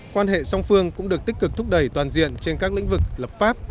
quan hệ song phương cũng được tích cực thúc đẩy toàn diện trên các lĩnh vực lập pháp